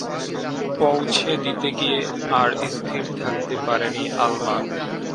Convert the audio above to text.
পৌঁছে দিতে গিয়ে আর স্থির থাকতে পারেনি আলমা।